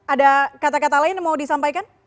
ada kata kata lain yang mau disampaikan